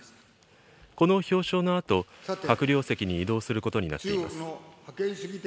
この表彰のあと、閣僚席に移動することになっています。